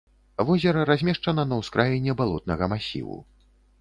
Возера размешчана на ўскраіне балотнага масіву.